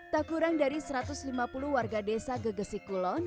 tak kurang dari satu ratus lima puluh warga desa gegesi kulon